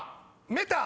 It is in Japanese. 「メタ」